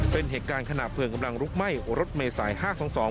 เป็นเหตุการณ์ขณะเพลิงกำลังลุกไหม้รถเมษายห้าสองสอง